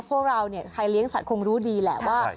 พวกเราเนี่ยใครเลี้ยงสัตว์คงรู้ดีแหละว่า